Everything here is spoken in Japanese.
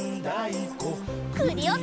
クリオネ！